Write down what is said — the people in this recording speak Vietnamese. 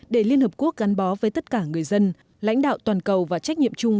để liên hợp quốc gắn bó với tất cả người dân lãnh đạo toàn cầu và trách nhiệm chung